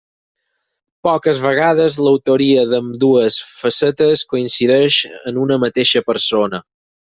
Poques vegades l'autoria d'ambdues facetes coincideix en una mateixa persona.